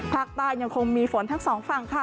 ภาคใต้ยังคงมีฝนทั้งสองฝั่งค่ะ